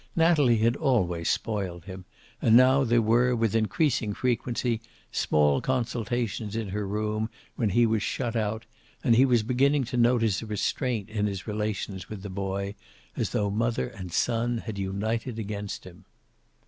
Natalie had always spoiled him, and now there were, with increasing frequency, small consultations in her room when he was shut out, and he was beginning to notice a restraint in his relations with the boy, as though mother and son had united against him.